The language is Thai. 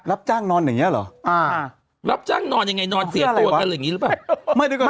รับจ้างนอนอย่างนี้เหรอรับจ้างนอนยังไงนอนเสียตัวกันอย่างนี้หรือเปล่า